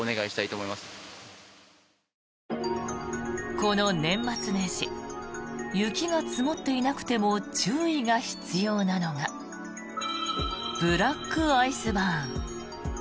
この年末年始雪が積もっていなくても注意が必要なのがブラックアイスバーン。